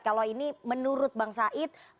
kalau ini menurut bang said